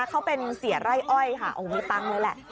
เขาเป็นเสียไร่อ้อยค่ะโอ้โหมีตังค์เลยแหละ